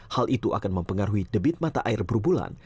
hal itu akan mempengaruhi debit mata air berbulan